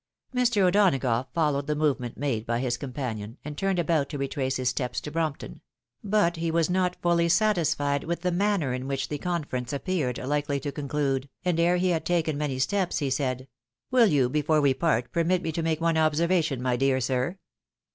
Mr. O'Donagough followed the movement made by his com panion, and turned about to retrace his steps to Brompton ; but he was not fully satisfied with the manner in which the conference appeared likely to conclude, and ere he had taken many steps, he said, " Will you, before we part, permit me to make one observa tion, my dear sir?